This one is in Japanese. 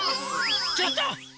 ちょっと！